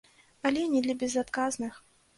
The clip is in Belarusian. Але не для безадказных.